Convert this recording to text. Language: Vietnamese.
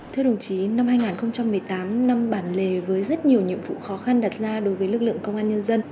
thưa đồng chí năm hai nghìn một mươi tám năm bản lề với rất nhiều nhiệm vụ khó khăn đặt ra đối với lực lượng công an nhân dân